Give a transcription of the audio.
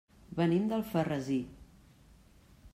Venim d'Alfarrasí.